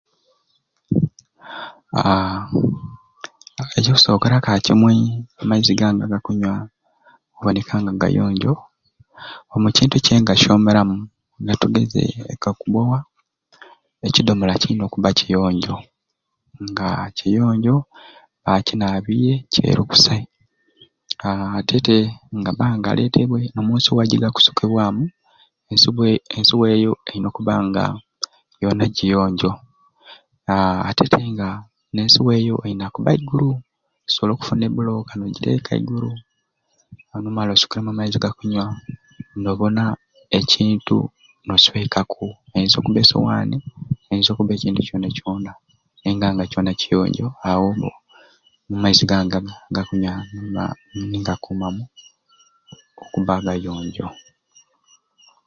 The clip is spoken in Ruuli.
Aaa ekikusookera ka kimwe amaizi gange agakunywa okuboneka nga gayonjo omukintu kyengasyomeramu ka tugeze ja ku bowa ekidomola kirina okubba ekiyonjo nga kiyonjo a kinabirye ceeru kusai aa ate te nigabba nga galeeteibwe omu nsuwa gigakusukibwamu ensuwa eyo erina okubba nga yoona giyonjo ate te nga n'ensuwa eyo erina kubba igulu okusobola okufuna e bulooka nogateeka eigulu nimala nosukamu amaizi ga kunywa n'obona ekintu n'oswekaku einza okubba e sowaani einza okubba ekintu kyoona kyoona naye nga kyoona kiyonjo awo amaizi gange mba ngakuumamu okubba agayonjo.